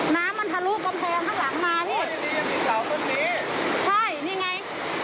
น้ำมันทะลุกำแพงข้างหลังมานี่